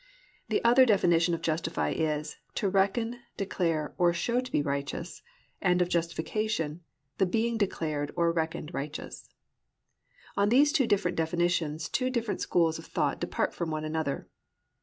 The other definition of "justify" is, to reckon, declare, or show to be righteous, and of "justification," the being declared or reckoned righteous. On these two different definitions two different schools of thought depart from one another.